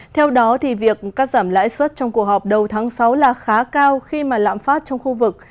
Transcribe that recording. theo đó việc cắt giảm lãi suất trong cuộc họp đầu tháng sáu là khá cao khi lãm phát trong khu vực